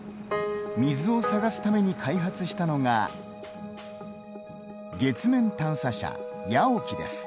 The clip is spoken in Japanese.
水を探すために開発したのが月面探査車ＹＡＯＫＩです。